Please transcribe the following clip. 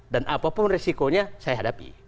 dan apapun resikonya saya hadapi